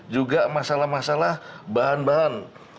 juga masalah masalah bahan bahan